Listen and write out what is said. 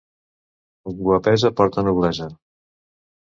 Guapesa porta noblesa.